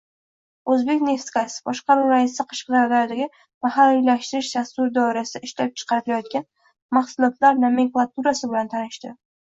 O‘zbekneftgaz: Boshqaruv raisi Qashqadaryodagi mahalliylashtirish dasturi doirasida ishlab chiqarilayotgan mahsulotlar nomenklaturasi bilan tanishdi